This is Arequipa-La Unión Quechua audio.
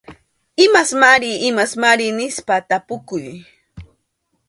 Imasmari imasmari nispa tapukuy.